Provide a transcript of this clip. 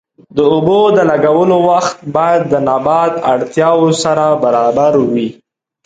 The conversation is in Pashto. د اوبو د لګولو وخت باید د نبات اړتیاوو سره برابر وي.